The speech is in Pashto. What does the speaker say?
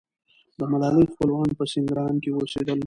د ملالۍ خپلوان په سینګران کې اوسېدل.